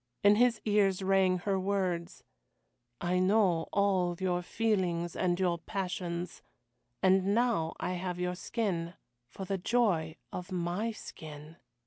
In his ears rang her words, "I know all your feelings and your passions. And now I have your skin for the joy of my skin."